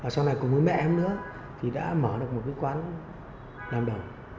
sau này cùng với mẹ em nữa đã mở được một quán làm đầu